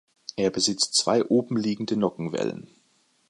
Er besitzt zwei obenliegende Nockenwellen.